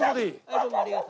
はいどうもありがとう。